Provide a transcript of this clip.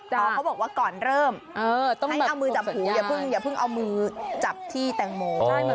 พอเขาบอกว่าก่อนเริ่มให้เอามือจับหูอย่าเพิ่งเอามือจับที่แตงโม